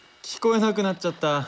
聞こえなくなっちゃった。